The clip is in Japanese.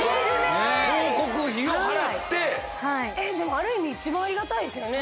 ある意味一番ありがたいですよね。